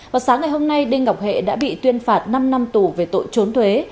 vào sáng ngày hôm nay đinh ngọc hệ đã bị tuyên phạt năm năm tù về tội trốn thuế